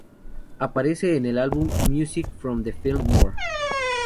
Aparece en el álbum, "Music from the Film More".